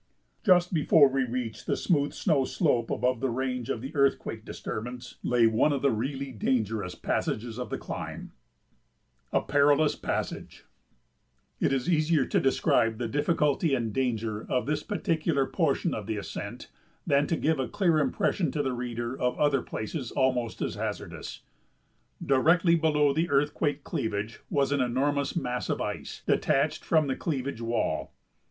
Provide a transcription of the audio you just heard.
Just before we reached the smooth snow slope above the range of the earthquake disturbance lay one of the really dangerous passages of the climb. [Sidenote: A Perilous Passage] It is easier to describe the difficulty and danger of this particular portion of the ascent than to give a clear impression to a reader of other places almost as hazardous. Directly below the earthquake cleavage was an enormous mass of ice, detached from the cleavage wall.